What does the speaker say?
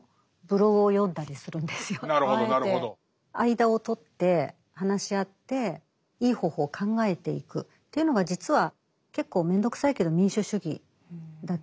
間をとって話し合っていい方法を考えていくというのが実は結構めんどくさいけど民主主義だったりしますよね。